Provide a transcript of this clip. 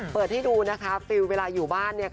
เปิดให้ดูนะคะฟิลเวลาอยู่บ้าน